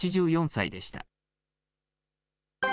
８４歳でした。